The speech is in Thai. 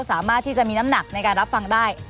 สามารถที่จะมีน้ำหนักในการรับฟังได้